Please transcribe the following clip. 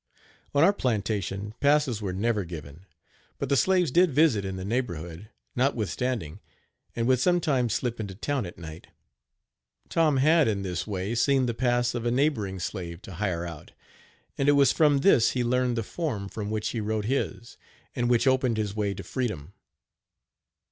On our plantation passes were never given, but the slaves did visit in the neighborhood, notwithstanding, and would sometimes slip into town at night. Tom had in this way seen the pass of a neighboring slave to hire out; and it was from this he learned the form from which he wrote his, and which opened his way to freedom.